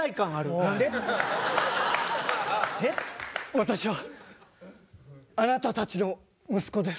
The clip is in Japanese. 私はあなたたちの息子です。